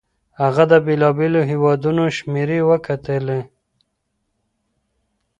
هغه د بېلابېلو هيوادونو شمېرې وکتلې.